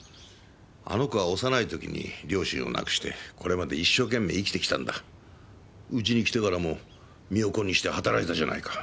あの子は幼い時に両親を亡くしてこれまで一生懸命生きてきたんだうちに来てからも身を粉にして働いたじゃないか